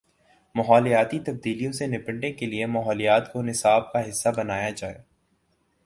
ماحولیاتی تبدیلیوں سے نمٹنے کے لیے ماحولیات کو نصاب کا حصہ بنایا جائے۔